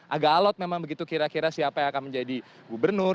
agak alot memang begitu kira kira siapa yang akan menjadi gubernur